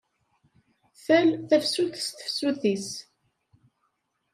Tal tafsut s tefsut-is!